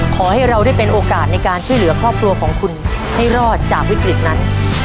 ขอให้เราได้เป็นโอกาสในการช่วยเหลือครอบครัวของคุณให้รอดจากวิกฤตนั้น